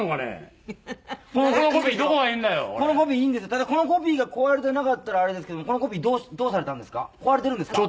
「ただこのコピーが壊れてなかったらあれですけどもこのコピーどうされたんですか？